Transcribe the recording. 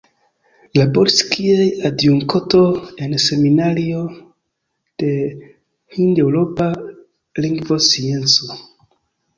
Laboris kiel adjunkto en Seminario de Hindeŭropa Lingvoscienco.